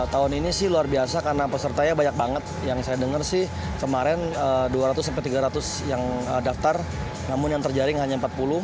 tahun ini sih luar biasa karena pesertanya banyak banget yang saya dengar sih kemarin dua ratus tiga ratus yang daftar namun yang terjaring hanya empat puluh